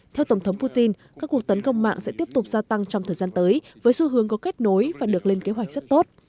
theo tổng thống putin các cuộc tấn công mạng sẽ tiếp tục gia tăng trong thời gian tới với xu hướng có kết nối và được lên kế hoạch rất tốt